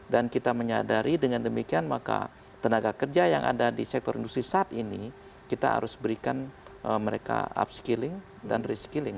dan kita menyadari dengan demikian maka tenaga kerja yang ada di sektor industri saat ini kita harus berikan mereka upskilling dan reskilling